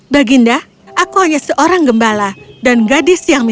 baginda aku hanya seorang gembala dan gadis yang mis